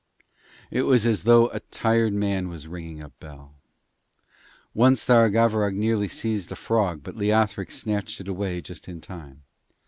It was as though a tired man was ringing a bell. Once Tharagavverug nearly seized a frog, but Leothric snatched it away just in time.